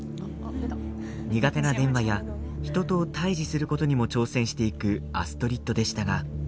苦手な電話や人と対じすることにも挑戦していくアストリッドでしたが。